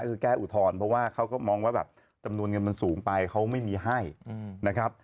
ก็คือแก้อุทธรณ์เพราะว่าเขาก็มองว่าแบบจำนวนเงินมันสูงไปเขาไม่มีให้นะครับ